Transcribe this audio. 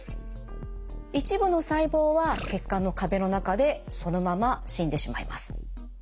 一部の細胞は血管の壁の中でそのまま死んでしまいます。